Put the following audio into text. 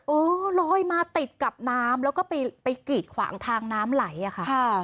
เออลอยมาติดกับน้ำแล้วก็ไปกีดขวางทางน้ำไหลอะค่ะ